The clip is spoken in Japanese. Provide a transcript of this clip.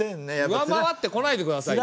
上回ってこないでくださいよ。